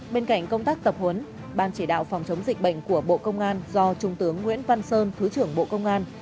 bên cạnh công tác tập huấn ban chỉ đạo phòng chống dịch bệnh của bộ công an do trung tướng nguyễn văn sơn thứ trưởng bộ công an